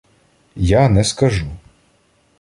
— Я не скажу.